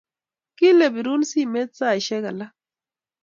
Kile pirun simet saishek alak